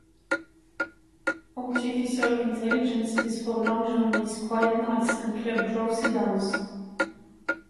Artificial Intelligence is for long journeys, quiet nights and club drowsy dawns.